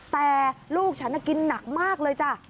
แต่ลูกฉันกินหนักมากเลยจ้ะ